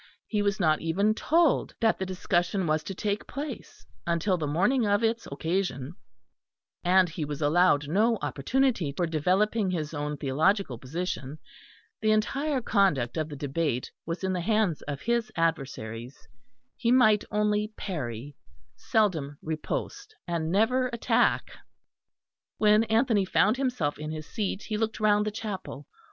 He was not even told that the discussion was to take place until the morning of its occasion, and he was allowed no opportunity for developing his own theological position; the entire conduct of the debate was in the hands of his adversaries; he might only parry, seldom riposte, and never attack. When Anthony found himself in his seat he looked round the chapel.